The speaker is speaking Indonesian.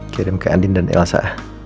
kirim ke andin dan elsa